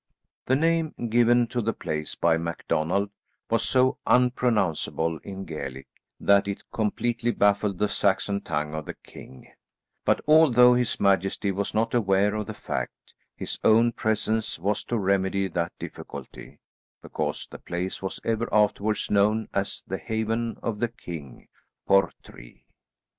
The name given to the place by MacDonald was so unpronounceable in Gaelic that it completely baffled the Saxon tongue of the king, but although his majesty was not aware of the fact, his own presence was to remedy that difficulty, because the place was ever afterwards known as the Haven of the King Portree.